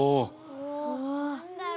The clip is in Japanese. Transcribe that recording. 何だろう？